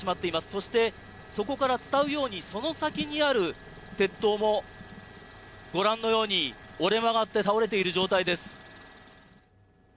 そして、そこから伝うようにその先にある鉄塔もご覧のように折れ曲がって倒れている状態です。